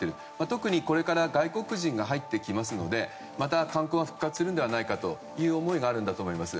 特にこれから外国人が入ってきますのでまた、観光が復活するんだという思いがあると思います。